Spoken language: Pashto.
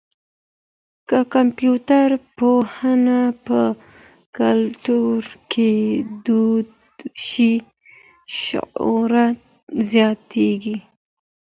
که کمپيوټر پوهنه په کلیو کي دود شي، شعور زیاتېږي.